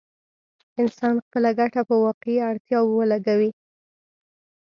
انسان خپله ګټه په واقعي اړتياوو ولګوي.